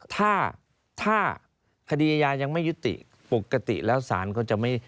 ถ้าคดีอาญายังไม่ยุติปกติแล้วสารเขาจะไม่